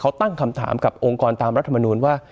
เขาตั้งคำถามกับองค์กรตามรัฐมนูลว่า